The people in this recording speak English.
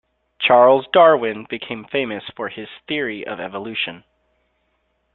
Charles Darwin became famous for his theory of evolution.